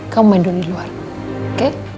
kau main dulu di luar oke